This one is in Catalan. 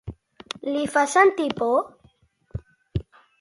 Li fa sentir por?